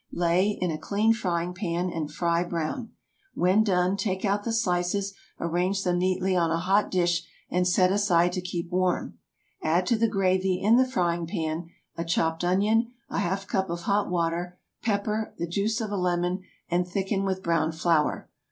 Lay in a clean frying pan and fry brown. When done, take out the slices, arrange them neatly on a hot dish, and set aside to keep warm. Add to the gravy in the frying pan a chopped onion, a half cup of hot water, pepper, the juice of a lemon, and thicken with brown flour.